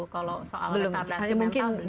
kalau soal retardasi mental